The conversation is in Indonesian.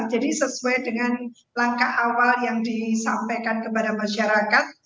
jadi sesuai dengan langkah awal yang disampaikan kepada masyarakat